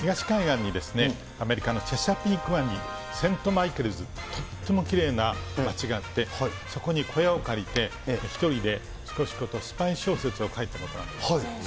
東海岸にアメリカのセントマイケルズ、とってもきれいな街があって、そこに小屋を借りて、１人でスパイ小説を書いたことがあるんです。